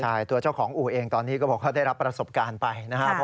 ใช่ตัวเจ้าของอู่เองตอนนี้ก็บอกเขาได้รับประสบการณ์ไปนะครับ